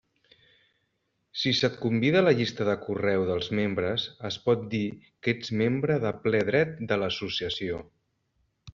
Si se't convida a la llista de correu dels membres, es pot dir que ets membre de ple dret de l'associació.